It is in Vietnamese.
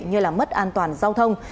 như là mất an toàn giao thông